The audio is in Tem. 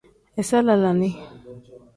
Iza lalaani.